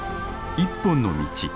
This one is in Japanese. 「一本の道」。